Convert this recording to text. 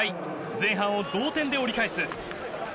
前半を同点で折り返す。